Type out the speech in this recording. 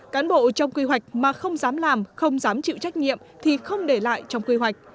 cán bộ trong quy hoạch mà không dám làm không dám chịu trách nhiệm thì không để lại trong quy hoạch